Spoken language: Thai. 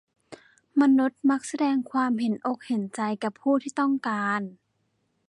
มนุษย์มักแสดงความเห็นอกเห็นใจกับผู้ที่ต้องการ